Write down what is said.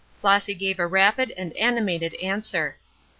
Flossy gave a rapid and animated answer.